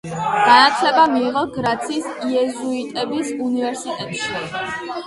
განათლება მიიღო გრაცის იეზუიტების უნივერსიტეტში.